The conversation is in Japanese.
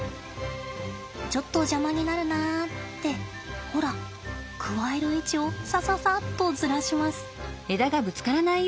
「ちょっと邪魔になるな」ってほらくわえる位置をさささっとずらします。